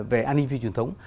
về an ninh phi truyền thống